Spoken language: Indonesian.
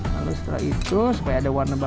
lalu setelah itu supaya ada warna baru